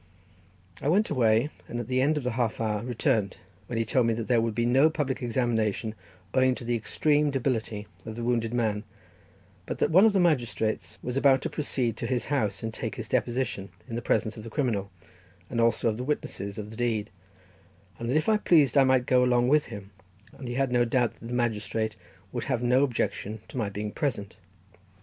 I went away, and at the end of the half hour returned, when he told me that there would be no public examination, owing to the extreme debility of the wounded man, but that one of the magistrates was about to proceed to his house and take his deposition in the presence of the criminal, and also of the witnesses of the deed, and that if I pleased I might go along with him, and he had no doubt that the magistrate would have no objection to my being present.